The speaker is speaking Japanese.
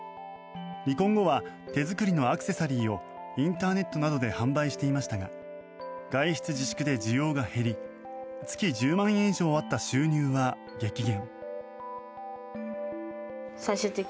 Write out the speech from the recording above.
離婚後は手作りのアクセサリーをインターネットなどで販売していましたが外出自粛で需要が減り月１０万円以上あった収入は激減。